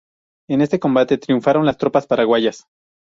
En este combate triunfaron las tropas paraguayas.